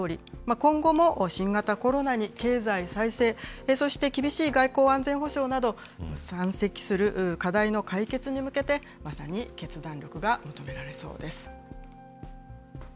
今後も新型コロナに経済再生、そして厳しい外交安全保障など、山積する課題の解決に向けて、まさに決断力が求められそうです。